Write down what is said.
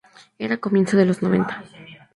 Eran comienzos de los noventa.